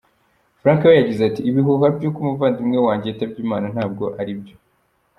Frank we yagize ati "Ibihuha by’uko umuvandimwe wanjye yitabye Imana ntabwo ari byo.